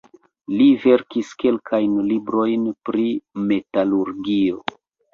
Li verkis kelkajn librojn pri metalurgio.